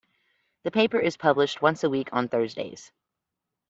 The paper is published once a week on Thursdays.